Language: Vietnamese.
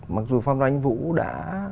mặc dù phan văn anh vũ đã